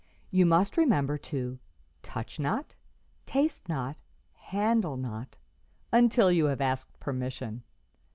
You must remember to 'touch not, taste not, handle not,' until you have asked permission.